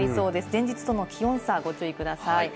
前日との気温差にご注意ください。